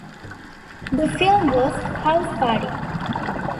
The film was "House Party".